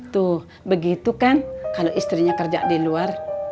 tuh begitu kan kalau istrinya kerja di luar